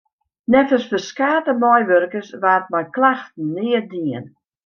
Neffens ferskate meiwurkers waard mei klachten neat dien.